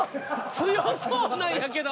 強そうなんやけど。